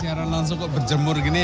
ini siaran langsung kok berjemur gini ya